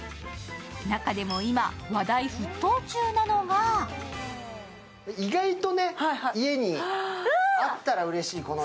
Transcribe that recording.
中でも今、話題沸騰中なのが意外と家にあったらうれしい。